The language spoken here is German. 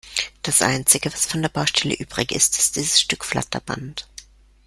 Das einzige, was von der Baustelle übrig ist, ist dieses Stück Flatterband.